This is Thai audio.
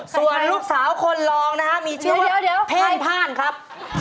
ส่วนลูกสาวคนรองนะฮะมีชื่อเพลงพ่านครับ